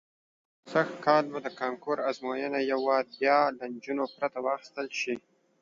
سږ کال به د کانکور ازموینه یو وار بیا له نجونو پرته واخیستل شي.